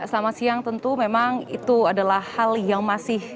selamat siang tentu memang itu adalah hal yang masih